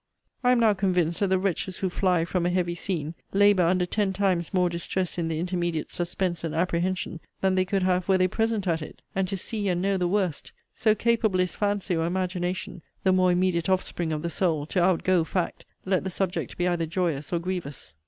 I am now convinced that the wretches who fly from a heavy scene, labour under ten times more distress in the intermediate suspense and apprehension, than they could have, were they present at it, and to see and know the worst: so capable is fancy or imagination, the more immediate offspring of the soul, to outgo fact, let the subject be either joyous or grievous.